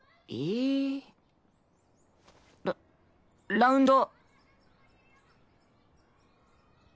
ララウンド。